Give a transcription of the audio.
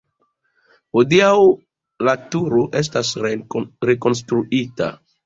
Hodiaŭ la turo estas rekonstruita.